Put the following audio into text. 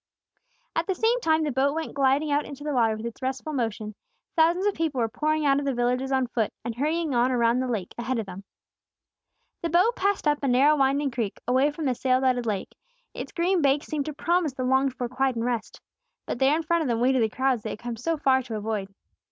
At the same time the boat went gliding out into the water with its restful motion, thousands of people were pouring out of the villages on foot, and hurrying on around the lake, ahead of them. The boat passed up a narrow winding creek, away from the sail dotted lake; its green banks seemed to promise the longed for quiet and rest. But there in front of them waited the crowds they had come so far to avoid.